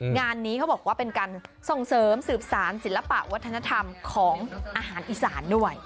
งานนี้เขาบอกว่าเป็นการส่งเสริมสืบสารศิลปะวัฒนธรรมของอาหารอีสานด้วย